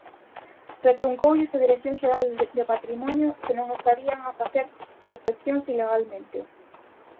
Retrucoulles a Dirección Xeral de Patrimonio se non estarían a facer prospeccións ilegalmente.